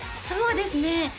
そうですね